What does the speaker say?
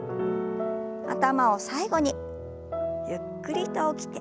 頭を最後にゆっくりと起きて。